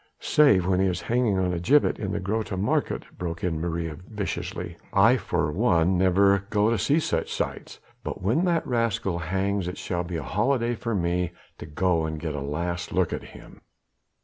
"Save when he is hanging on a gibbet in the Groote Markt," broke in Maria viciously. "I for one never go to see such sights, but when that rascal hangs it shall be a holiday for me to go and get a last look at him."